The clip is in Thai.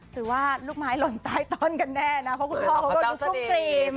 หรือว่าลูกไม้หล่นใต้ต้นกันแน่นะเพราะคุณพ่อเขาก็ลุกครีม